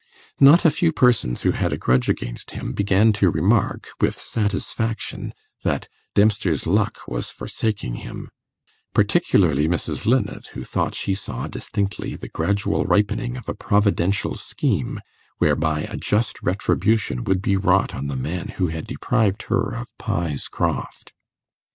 Not a few persons who had a grudge against him, began to remark, with satisfaction, that 'Dempster's luck was forsaking him'; particularly Mrs. Linnet, who thought she saw distinctly the gradual ripening of a providential scheme, whereby a just retribution would be wrought on the man who had deprived her of Pye's Croft.